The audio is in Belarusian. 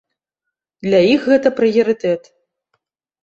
Для іх гэта прыярытэт.